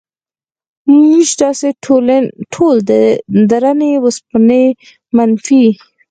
موږ تاسې ټول د درنې وسپنې د منفي